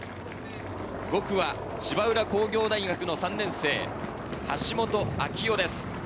５区は芝浦工業大学の３年生・橋本章央です。